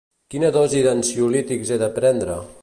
Quina dosi d'ansiolítics he de prendre?